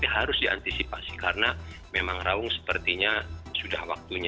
harus diantisipasi karena memang raung sepertinya sudah waktunya